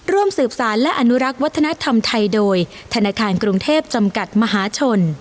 ร่วมสืบสารและอนุรักษ์วัฒนธรรมไทยโดยธนาคารกรุงเทพจำกัดมหาชน